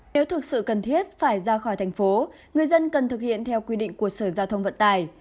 nếu thực sự cần thiết phải ra khỏi thành phố người dân cần thực hiện theo quy định của sở giao thông vận tải